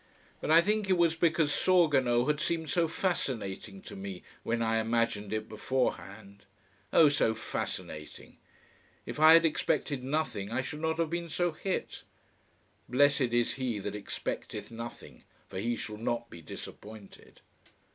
But I think it was because Sorgono had seemed so fascinating to me, when I imagined it beforehand. Oh so fascinating! If I had expected nothing I should not have been so hit. Blessed is he that expecteth nothing, for he shall not be disappointed.